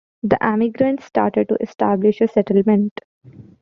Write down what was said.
The emigrants started to establish a settlement.